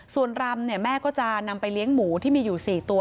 ส่วนรำเนี่ยแม่ก็จะนำไปเลี้ยงหมูที่มีอยู่๔ตัว